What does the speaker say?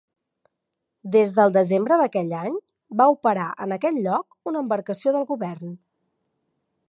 Des del desembre d'aquell any, va operar en aquell lloc una embarcació del govern.